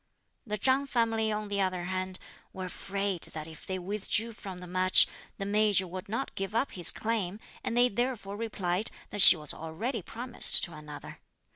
The Chang family, on the other hand, were afraid that if they withdrew from the match, the Major would not give up his claim, and they therefore replied that she was already promised to another.